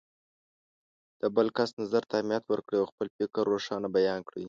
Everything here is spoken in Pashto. د بل کس نظر ته اهمیت ورکړئ او خپل فکر روښانه بیان کړئ.